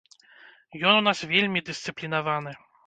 Ён у нас вельмі дысцыплінаваны.